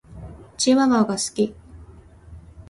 チワワが好き。